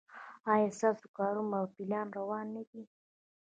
ایا ستاسو کارونه په پلان روان نه دي؟